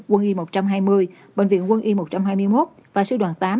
quân y một trăm hai mươi bệnh viện quân y một trăm hai mươi một và sư đoàn tám